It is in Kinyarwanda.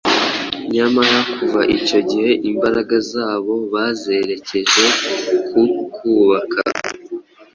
Nyamara kuva icyo gihe imbaraga zabo bazerekeje ku kubaka